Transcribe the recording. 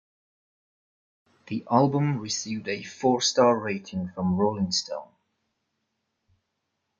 The album received a four star rating from "Rolling Stone".